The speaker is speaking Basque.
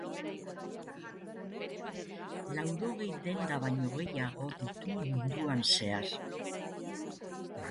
Laurogei denda baino gehiago ditu munduan zehar.